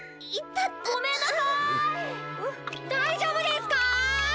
だいじょうぶですか？